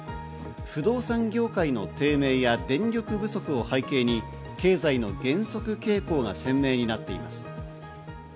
不動産業界の低迷や電力不足が背景に経済の減速傾向は鮮明になっています。